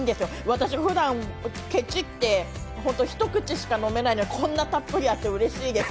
私、ふだんけちって本当に一口しか飲めないのに、こんなたっぷりあってうれしいです。